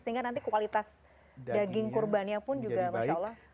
sehingga nanti kualitas daging kurbannya pun juga masya allah